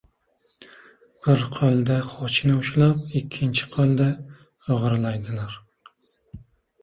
• Bir qo‘lda xochni ushlab, ikkinchi qo‘lda o‘g‘irlaydilar.